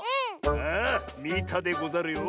ああみたでござるよ。